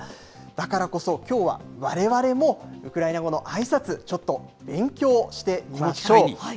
だからこそ、きょうはわれわれもウクライナ語のあいさつ、ちょっと勉強してみましょう。